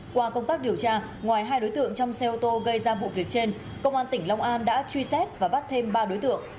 qua công tác điều tra ngoài hai đối tượng trong xe ô tô gây ra vụ việc trên công an tỉnh long an đã truy xét và bắt thêm ba đối tượng